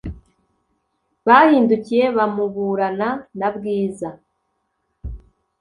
bahindukiye bamuburana na bwiza